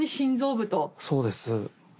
そうです。